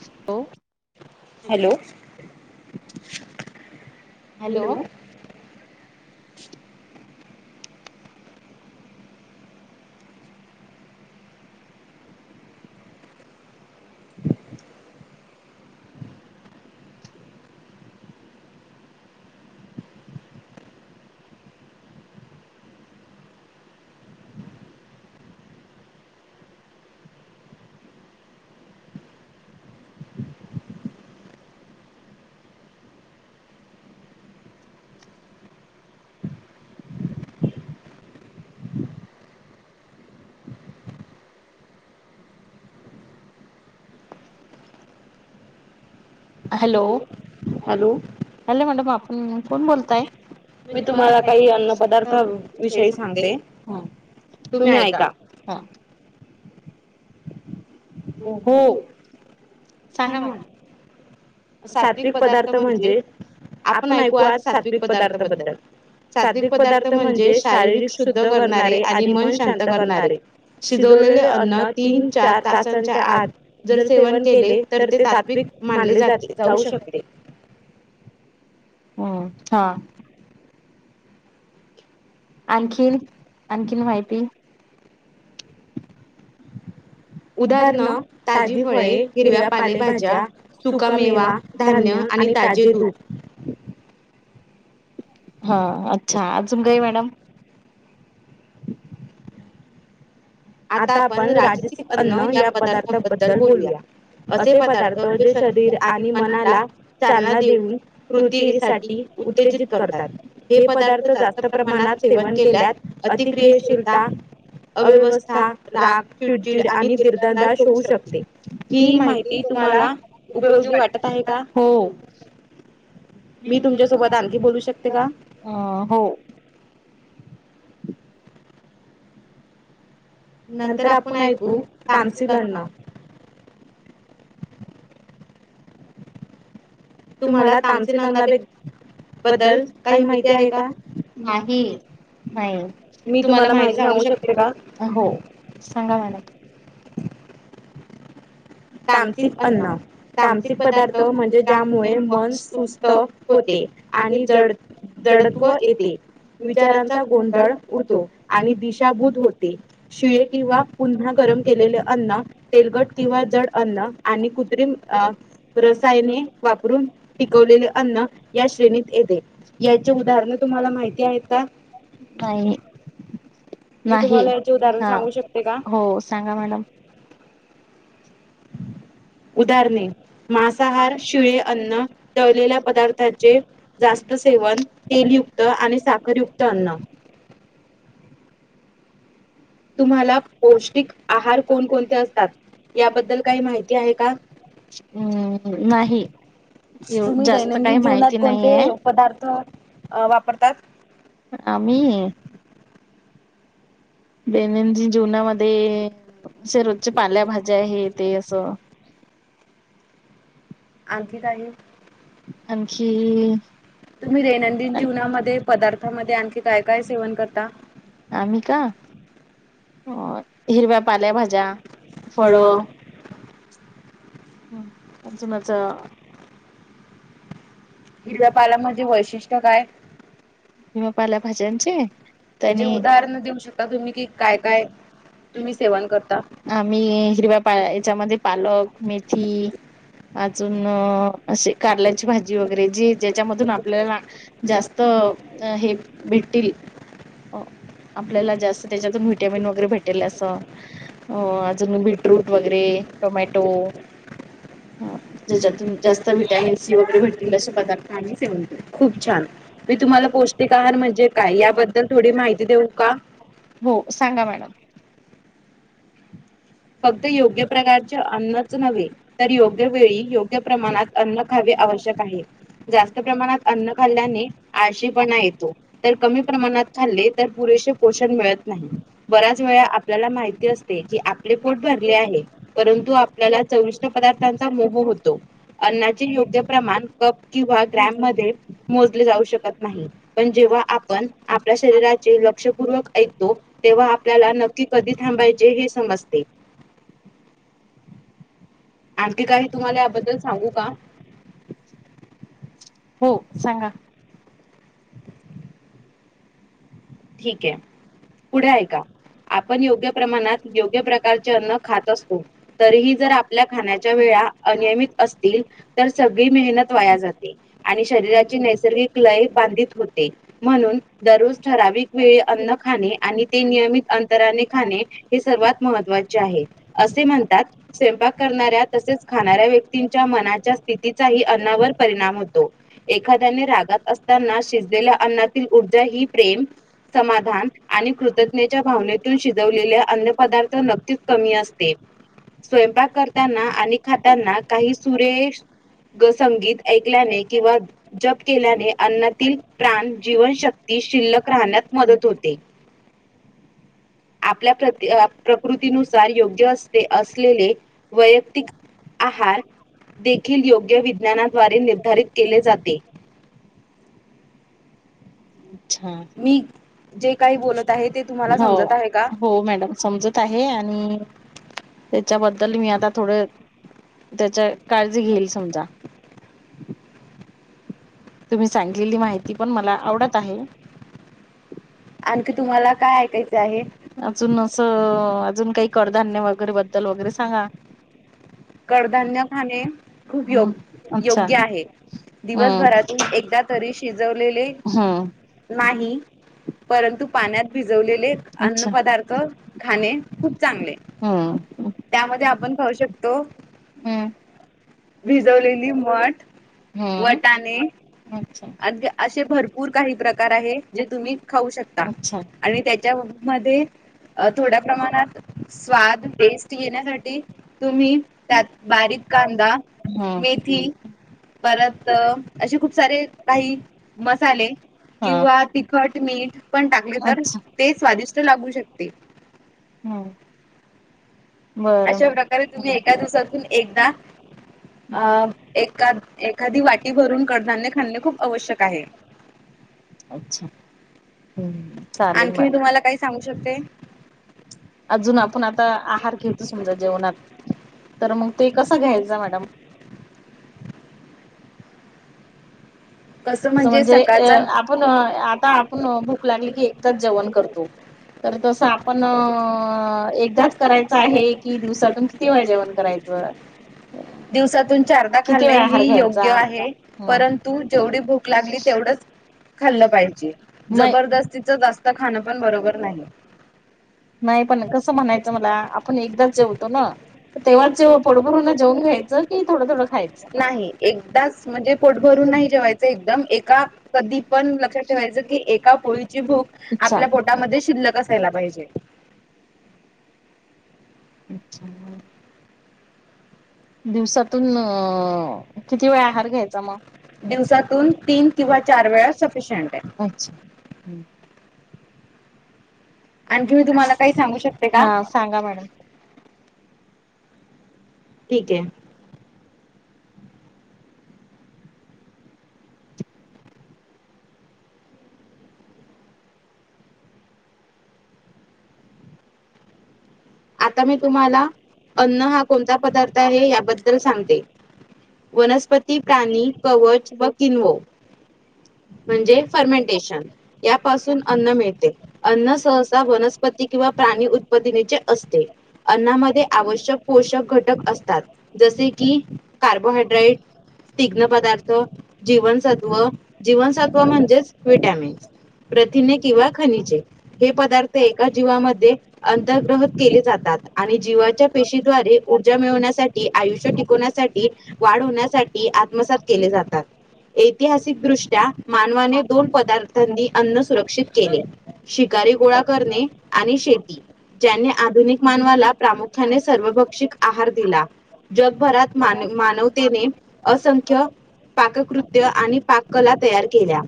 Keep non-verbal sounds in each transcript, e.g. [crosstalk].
Hello! Hello! Hello hello! Hello, madam आपण कोण बोलताय? मी तुम्हाला काही अन्नपदार्थाविषयी सांगते, तुम्ही ऐका हो सांगा मॅडम सात्विक पदार्थ म्हणजे आपण ऐकू आज सात्विक पदार्थ बद्दल सात्विक पदार्थ म्हणजे? शारीरीक शुद्ध करणारे आणि मन शांत करणारे शिजवलेले अन्न तीन चार तासांच्या आत जर सेवन केले तर ते तात्विक मानले जाते जाऊ शकते हं हा आणखीन, आणखीन, माहिती उदाहरणं ताजी फळे, हिरव्या पालेभाज्या, सुका मेवा धान्य आणि ताजे दूध हा अच्छा, अजून काय मॅडम? आता आपण राजसिक अन्न, या पदार्थाबद्दल बोलूया असे पदार्थ जे शरीर आणि मनाला चालना देऊन कृतीसाठी उत्तेजित करतात हे पदार्थ जास्त प्रमाणात सेवन केल्यात, अतिक्रियशीलता अव्यव स्था, राग, चिडचिड, आणि दीर्दधाश होऊ शकते, ही माहिती तुम्हाला उपयोगी वाटत आहे का? हो मॅडम मी तुमच्यासोबत आणखी बोलू शकते का? अ हो नंतर आपण ऐकू, तामसील अन्न तुम्हाला तामसील अन्न बद्दल काही माहिती आहे का? आहे नाही, मी तुम्हाला माहिती सांगू शकते का? हो सांगा मॅडम तामसिक अन्न तामसिक पदार्थ म्हणजे ज्यामुळे मन स्स् स्थ होते आणि जड जडत्व येते विचारांचा गोंधळ उडतो आणि दिशाभूत होते शिळे किंवा पुन्हा गरम केलेले अन्न तेलकट किंवा जड अन्न आणि कृत्रिम अ रसायने वापरून टिकवलेले अन्न या श्रेणीत येते याचे उदाहरण तुम्हाला माहिती आहेत का? नाही नाही हा हो सांगा मॅडम. उदाहरणे मांसाहार, शिळे अन्न, तळलेल्या पदार्थाचे जास्त सेवन तेलयुक्त आणि साखरयुक्त अन्न. तुम्हाला पौष्टिक आहार कोणकोणते असतात, याबद्दल काही माहिती आहे का? हम् नाही. तुम्ही दैनंदिन जीवनात कोणते पदार्थ वापरतात. आम्ही दैनंदिन जीवनामध्ये, असे रोजच्या पाल्या भाज्या हे ते असं आणखी काही? आणखी तुम्ही दैनंदिन जीवनामध्ये, पदार्थामध्ये आणखी काय काय सेवन करता? आम्ही का हिरव्या पाले भाज्या, फळं ह अजून आस. हिरव्यापाला मध्ये वैशिष्ट्य काय. किंवा पालाभाज्यांचे त्यांनी [unintelligible] आम्ही हिरव्या पा, याच्यामध्ये पालक, मेथी अजून असे कारल्याची भाजी वगै [unintelligible] ज्याच्यामधून आपल्याला जास्त हे भेटतील आपल्याला जास्तं तेच्यातून व्हिटॅमिन वगैरे भेटेल असं, अजून बी फ्रूट वगैरे, टोमॅटो त्याच्यात खूप जास्त विटॅमिन सीट असे पदार्थ खाणे सेवन करा खूप छान. मी तुम्हाला पौष्टिक आहार म्हणजे काय याबद्दल थोडी माहिती देऊ का? हो. सांगा ना. फक्त योग्य प्रकारचे अन्नच नव्हे, तर योग्य वेळी योग्य प्रमाणात. अन्न खावे आवश्यक आहे. जास्त प्रमाणात अन्न खाल्ल्याने आळशीपणा येतो तर कमी प्रमाणात खाल्ले तर पुरेसे पोषण मिळत नाही, बऱ्याच वेळा आपल्याला माहिती असते. की आप आपले पोट भरले आहे. परंतु आपल्याला चविष्ट पदार्थांचा मोह होतो. अन्नाचे योग्य प्रमाण कप किंवा ग्रॅम मध्ये मोजले जाऊ शकत नाही. पण जेव्हा आपण आपल्या शरीराचे लक्षपूर्वक ऐकतो तेव्हा आपल्याला न कधी थांबायचे हे समज ते आणखी काही तुम्हाला याबद्दल सांगू का? हो सांगा. ठीक हाय पुढे ऐका आपण योग्य प्रमाणात योग्य प्रकारचे अन्न खात असतो तरीही जर आपल्या खाण्याच्या वेळा अनियमित असतील तर सगळी मेहनत वाया जाते आणि शरीराची नैसर्गिक क्लय बांधित होते, म्हणून दररोज ठराविक वेळे अन्न खाणे आणि ते नियमित अंतराने खाणे हे सर्वात महत्त्वाचे आहे. असे म्हणतात स्वयंपाक करणाऱ्या तसेच खाणाऱ्या व्यक्तींच्या मनाच्या स्थितीचाही अन्नावर परिणाम होतो, एखाद्याने रागात असताना शिजलेल्या अन्ना ऊर्जा ही प्रेम समाधान आणि कृतज्ञतेच्या भावनेतून शिजवलेले अन्न पदार्थ नक्कीच कमी असते. स्वयंपाक करताना आणि खाताना काही सुरेश संगीत ऐकल्याने किंवा जप केल्याने अन्नातील प्राण जीवन शक ती शिल्लक राहण्यात मदत होते. आपल्या प्र प्रकृतीनुसार योग्य अस असलेले वैयक्तिक आहार देखील योग्य विज्ञानाद्वारे निर्धारित केले जाते. च्छा मी जे काही बोलतं आहे तें तुम्हाला समजत आहे काय हो हो मॅडम समजत आहे आणि त्याच्याबद्दल मी आता थोड त्याच्या काळजी घेईल समजा तुम्ही सांगलेली माहिती पण मला आवडत आहे. [unintelligible] आणखी तुम्हाला काय ऐकायचं आहे. [unintelligible] कडधान्य [unintelligible] तल वगैरे सांगा [unintelligible] कडधान्य खाणे खूप योग योग्य आहे दिवसभरातुन एकदा तरी शिजवलेले नाही परंतु पाण्यात भिजवलेले अन्न पदार्थ खाणे खूप चांगले. त्यामध्ये आपण खाऊ शकतो भिजवलेली मठ, वटाणे आदय असे भरपूर काही प्रकार आहे जे तुम्ही खाऊ शकता. आणि त्याच्या मध्ये अ थोड्या प्रमाणात स्वाद, टेस्ट येण्यासाठी तुम्ही त्यात बारीक कांदा, मेथी परत अ असे खूप सारे काही मसाले किंवा तिखट मीठ पण टाकले तर ते स्वादिष्ट लागू शकते. हं अशा प्रकारे तुम्ही एका दिवसातून एकदा अ एकाद एखादी वाटी भरून कडधान्य खांणे खूप आवश्यक आहे. [unintelligible] अच्छा हं चालल म आणखीन तुम्हाला काय सांगू शकते. अजून आपण आता आहार घेतो समजा जेवणात तर मग ते कसा घ्यायचं मॅडम कस म्हणजे कस म्हणजे ये आपण आता आपण भूक लागली की एकदाच जेवण करतो. तर तस आपण अ एकदाच करायचं आहे की दिवसातून किती वेळ जेवण करायचं? दिवसातून चारदा किती वेळा आहार घ्यायचा आहे परंतु जेवढी भूक लागली तेवढंच खाल्लं पाहिजे नाय जबरदस्तीच जास्त खाणं पण बरोबर नाही. नाय पण कसं म्हणायचं मला आपण एकदाच जेवतो ना तेव्हाच जेव्हा पोटभरूना जेवून घ्यायचं की थोडं थोडं खायचं नाही एकदाच म्हणजे पोटभरून नाही जेवायचं एकदम एका कधी पण लक्षात ठेवायच की एका पोळीची भूक अच्छा आपल्या पोटामध्ये शिल्लक असायला पाहिजे. अच्छा म दिवसातून अ किती वेळा आहार घ्यायचा म, दिवसातून तीन किंवा चार वेळा सफिशियंट ये, अच्छा हूं आणखी मी तुम्हाला काही सांगू शकते का? ठीक ये. आता मी तुम्हाला अन्न हा कोणता पदार्थ आहे याबद्दल सांगते. वनस्पती, प्राणी, कवच व किनवो म्हणजे फर्मेंटेशन यापासून अन्न मिळते. अन्न सहसा वनस्प पत्ती किंवा प्राणी उत्पदनीचे अस ते अन्नामध्ये आवश्यक पोषक घटक असतात जसे की कार्बोहायड्रेट तिघ्न पदार्थ जीवनसत्व जीवनसत्व म्हणजेच विटॅमिन्स. प्रथिने किंवा खनिजे हे पदार्थ एका जीवामध्ये अंतग्रह केले जातात आणि जीवाच्या पेशीद्वारे ऊर्जा मिळवण्यासाठी आयुष्य टिकवण्यासाठी वाढ होण्यासाठी आत्मसात केले जातात ऐतिहासिक दृष् त्या मानवाने दोन पदार्थांनी अन्न सुरक्षित केले, शिकारी गोळा करणे आणि शेती. ज्यांन्या आधुनिक मानवाला प्रामुख्याने सर्वभक्षिक आहार दिला, जगभरात मान मानवतेने असंख्य पाककृत्य आणि पाककला तयार केल्या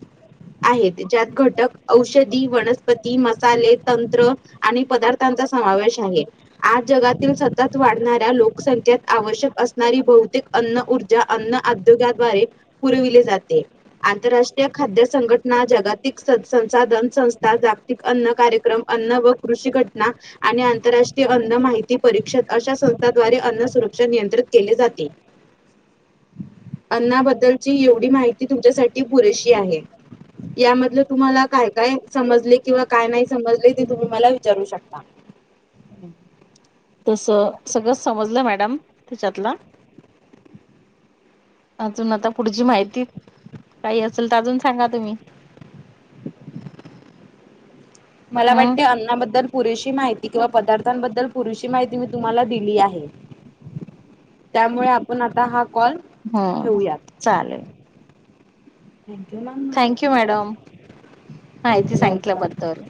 आहेत ज्यात घटक औषधी, वनस्पती, मसाले, तंत्र आणि पदार्थांचा समावेश आहे, आज जगातील सतत वाढणाऱ्या लोकसंख्येत आवश्यक अस सणारी बहुतेक अन्न ऊर्जा अन्न आद्योगाद्वारे पुरविली जाते. आंतरराष्ट्रीय खाद्य संघटना जगातिक संसाधन संस्था जाग तिक अन्न कार्यक्रम अन्न व कृषी घटना आणि आंतरराष्ट्रीय अन्न माहिती परिषद अशा संस्थांद्वारे अन्न सुरक्षा नियंत्रित केले जाते. अन्ना बद्दलची एवढी माहिती तुमच्यासाठी पुरेशी आहे. यामधलं तुम्हाला काय-काय समजले किंवा काय नाही समजले, हे तुम्ही मला विचारू शक ता तसं सगळं समजलं मॅडम त्याच्यातला अजून आता पुढची माहिती काही असेल, तर अजून सांगा तुम्ही. मला वाटते अन्नाबद्दल पुरेशी माहिती किंवा पदार्थांबद्दल पुरेशी माहिती मी तुम्हाला दिली आहे, त्यामुळे आपण आता हा कॉल हो चालेलं. थँक यू मॅडम, माहिती सांगितल्याबद्दल.